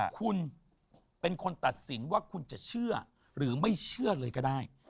คุณเป็นคนตัดสินว่าคุณจะเชื่อหรือไม่เชื่อเลยก็ได้